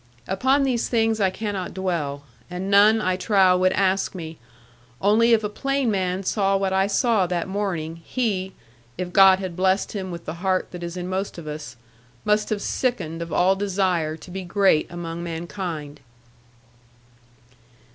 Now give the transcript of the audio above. Upon these things I cannot dwell; and none I trow would ask me: only if a plain man saw what I saw that morning, he (if God had blessed him with the heart that is in most of us) must have sickened of all desire to be great among mankind.